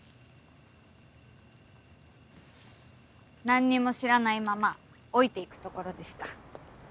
何にも知らないまま老いていくところでした。